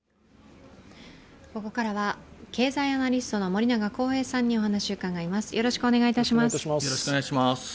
ここからは経済アナリストの森永康平さんにお話を伺います。